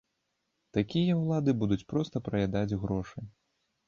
Такія ўлады будуць проста праядаць грошы.